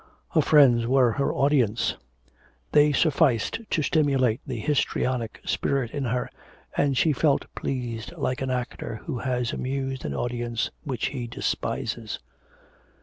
Her friends were her audience; they sufficed to stimulate the histrionic spirit in her, and she felt pleased like an actor who has amused an audience which he despises.